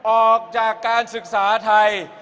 ออกจากการศึกษาไทย